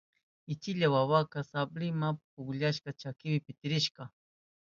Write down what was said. Uchilla wawaka sabliwa pukllashpan chakinpi pitirishka.